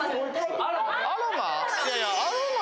アロマ？